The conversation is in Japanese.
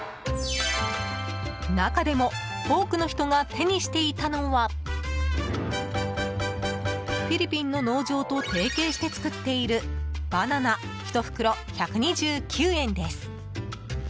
中でも多くの人が手にしていたのはフィリピンの農場と提携して作っているバナナ１袋１２９円です。